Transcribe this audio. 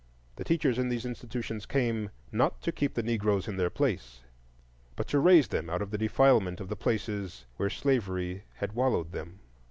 The teachers in these institutions came not to keep the Negroes in their place, but to raise them out of the defilement of the places where slavery had wallowed them.